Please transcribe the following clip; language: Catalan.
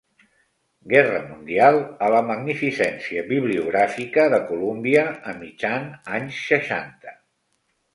Guerra Mundial a la magnificència bibliogràfica de Columbia, a mitjan anys seixanta.